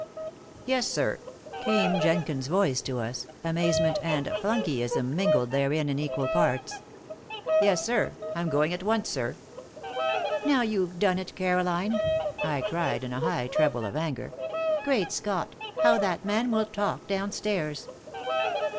"Yes, sir," came Jenkins's voice to us, amazement and flunkeyism mingled therein in equal parts. "Yes, sir. I'm going at once, sir." "Now you have done it, Caroline!" I cried, in a high treble of anger. "Great Scott! how that man will talk down stairs!"